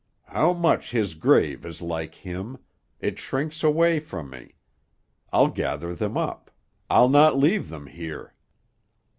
How much his grave is like him; it shrinks away from me. I'll gather them up; I'll not leave them here!'